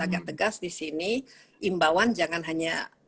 agak tegas di sini imbauan jangan hanya